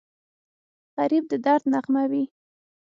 غریب د درد نغمه وي